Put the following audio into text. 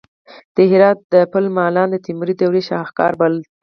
د هرات د پل مالان د تیموري دورې شاهکار پل دی